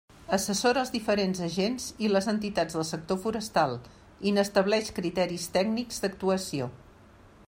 Assessora els diferents agents i les entitats del sector forestal i n'estableix criteris tècnics d'actuació.